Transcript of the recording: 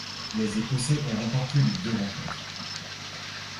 Les Écossais ont remporté les deux rencontres.